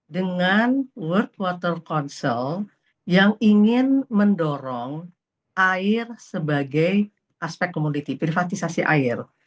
dengan world water council yang ingin mendorong air sebagai aspek komoditi privatisasi air